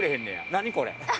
何これ？